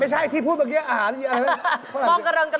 ไม่ใช่พี่พูดเมื่อกี้อาหารอะไรกัน